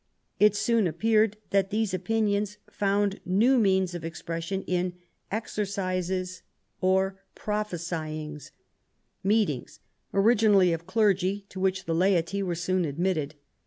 It soon appeared that these opinions found new means of expression in exercises," or prophesyings ''— meetings, origin ally of clergy, to which the laity were soon admitted.